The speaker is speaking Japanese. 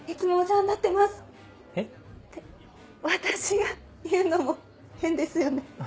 って私が言うのも変ですよね。